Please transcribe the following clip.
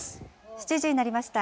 ７時になりました。